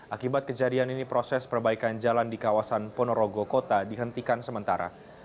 akibat kejadian ini proses perbaikan jalan di kawasan ponorogo kota dihentikan sementara